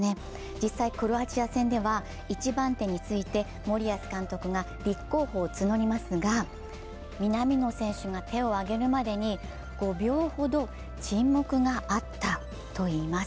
実際、クロアチア戦では１番手について森保監督が立候補を募りますが、南野選手が手を挙げるまでに５秒ほど沈黙があったといいます。